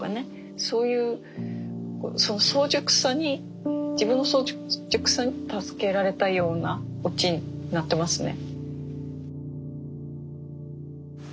そういう早熟さに自分の早熟さに助けられたようなオチになってますね。